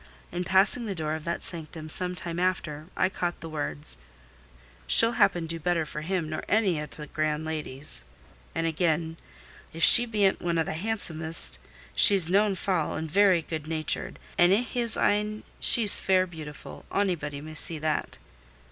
In passing the door of that sanctum some time after, I caught the words— "She'll happen do better for him nor ony o' t' grand ladies." And again, "If she ben't one o' th' handsomest, she's noan faâl and varry good natured; and i' his een she's fair beautiful, onybody may see that."